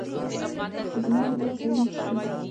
خو زما له لاسه يې نه چښي.